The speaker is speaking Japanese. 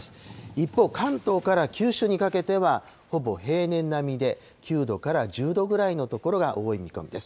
一方、関東から九州にかけては、ほぼ平年並みで、９度から１０度ぐらいの所が多い見込みです。